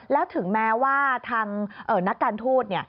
แล้วถึงแม้ว่าทางนักการทูต